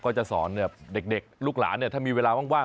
ก็จะสอนเด็กลูกหลานถ้ามีเวลาว่าง